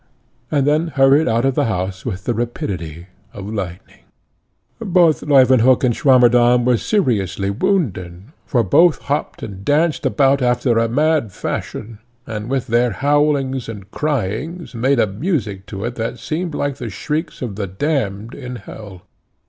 and then hurried out of the house with the rapidity of lightning. Both Leuwenhock and Swammerdamm were seriously wounded, for both hopped and danced about after a mad fashion, and with their howlings and cryings made a music to it that seemed like the shrieks of the damned in hell.